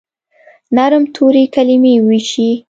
نرم توري، کلیمې وویشي